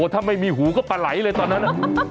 ถ้าไม่มีหูก็ปลาไหลเลยตอนนั้น